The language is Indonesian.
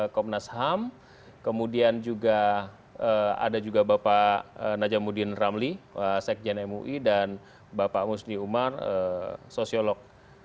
komnas ham kemudian juga ada juga bapak najamuddin ramli sekjen mui dan bapak musni umar sosiolog